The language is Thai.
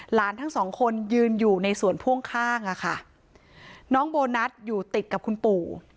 หลานทั้งสองคนยืนอยู่ในส่วนพ่วงข้างอ่ะค่ะน้องโบนัสอยู่ติดกับคุณปู่